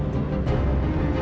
aku akan menangkanmu